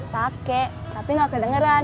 pakai tapi gak kedengeran